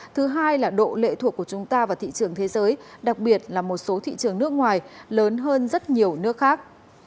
thứ hai là độ lệ thuộc của chúng ta vào thị trường thế giới đặc biệt là một số thị trường nước ngoài lớn hơn rất nhiều nước khác